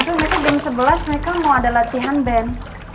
itu mereka jam sebelas mereka mau ada latihan band